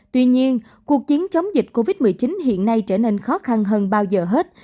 tuy nhiên cuộc chiến chống dịch covid một mươi chín hiện nay trở nên khó khăn hơn bao giờ hết